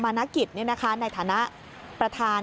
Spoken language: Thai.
มณกิจเนี่ยนะคะในฐานะประธาน